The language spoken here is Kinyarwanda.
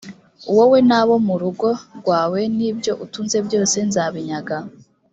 wowe n abo mu rugo rwawe n ibyo utunze byose nzabinyaga